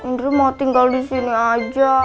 ndri mau tinggal disini aja